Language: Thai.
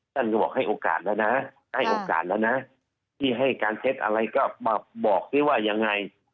ก็บอกให้โอกาสแล้วนะให้การเท็จอะไรก็มาบอกดีว่ายังไง